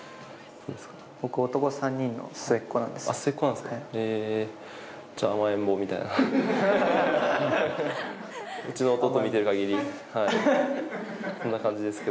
僕男３人の末っ子なんですよ。